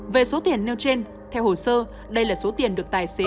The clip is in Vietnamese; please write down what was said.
về số tiền nêu trên theo hồ sơ đây là số tiền được tài xế